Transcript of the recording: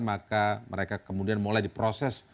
maka mereka kemudian mulai diproses